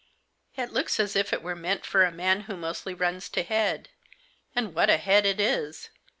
" It looks as if it were meant for a man who mostly runs to head. And what a head it is